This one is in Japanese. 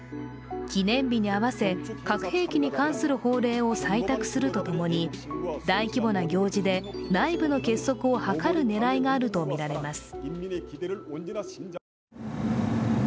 記念日に合わせ、核兵器に関する法令を採択するとともに大規模な行事で内部の結束を図る狙いがあるとみられます。